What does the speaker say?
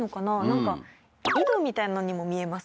なんか井戸みたいのにも見えます